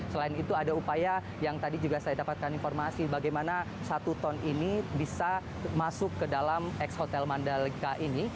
selain itu ada upaya yang tadi juga saya dapatkan informasi bagaimana satu ton ini bisa masuk ke dalam ex hotel mandalika ini